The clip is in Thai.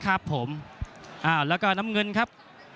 ครับผมแล้วก็น้ำเงินครับ